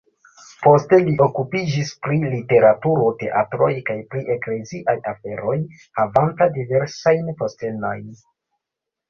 Poste li okupiĝis pri literaturo, teatroj kaj pri ekleziaj aferoj havanta diversajn postenojn.